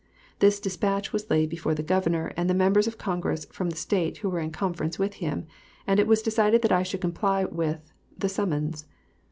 This dispatch was laid before the Governor and the members of Congress from the State who were in conference with him, and it was decided that I should comply with, the summons